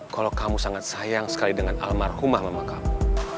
kalau kamu sangat sayang sekali dengan almarhumah mama kamu